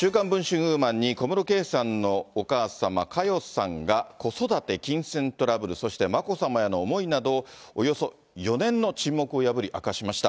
ウーマンに小室圭さんのお母様、佳代さんが子育て、金銭トラブル、そして眞子さまへの思いなどをおよそ４年の沈黙を破り明かしました。